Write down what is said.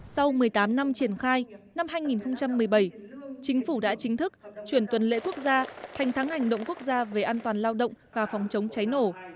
sau một mươi tám năm triển khai năm hai nghìn một mươi bảy chính phủ đã chính thức chuyển tuần lễ quốc gia thành tháng hành động quốc gia về an toàn lao động và phòng chống cháy nổ